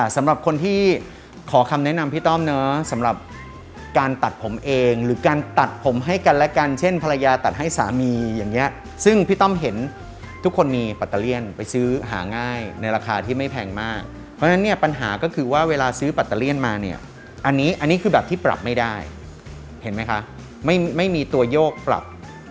สำหรับคนที่ขอคำแนะนำพี่ต้อมเนอะสำหรับการตัดผมเองหรือการตัดผมให้กันและกันเช่นภรรยาตัดให้สามีอย่างนี้ซึ่งพี่ต้อมเห็นทุกคนมีปัตเตอร์เลี่ยนไปซื้อหาง่ายในราคาที่ไม่แพงมากเพราะฉะนั้นเนี่ยปัญหาก็คือว่าเวลาซื้อปัตเตอร์เลี่ยนมาเนี่ยอันนี้อันนี้คือแบบที่ปรับไม่ได้เห็นไหมคะไม่มีตัวโยกปรับ